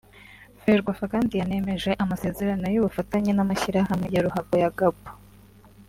Ferwafa kandi yanemeje amasezerano y’ubufatanye n’amashyirahamwe ya ruhago ya Gabon